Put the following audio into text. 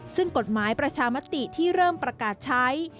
ซึ่งกฎหมายประชามติที่เริ่มประกาศใช้